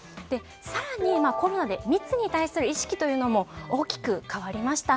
更に今、コロナで密に対する意識も大きく変わりました。